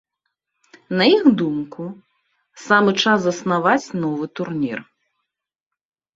На іх думку, самы час заснаваць новы турнір.